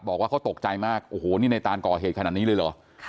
บอกว่าเขาตกใจมากโอ้โหนี่ในตานก่อเหตุขนาดนี้เลยเหรอ